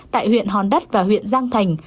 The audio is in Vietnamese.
tại huyện hòn đất và huyện giang thành